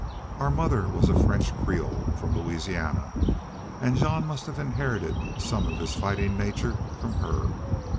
Our mother was a French creole from Louisiana, an' Jean must have inherited some of his fightin' nature from her.